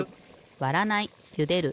わらないゆでる